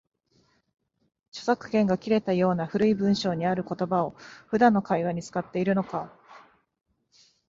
著作権が切れたような古い文章にある言葉を、普段の会話に使っているのか